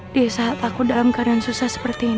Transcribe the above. di saat aku dalam keadaan susah seperti ini